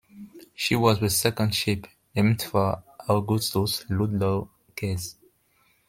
She was the second ship named for Augustus Ludlow Case.